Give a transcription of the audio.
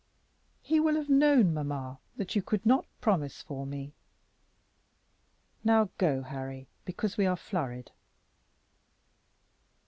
"He will have known, mamma, that you could not promise for me. Now go, Harry, because we are flurried.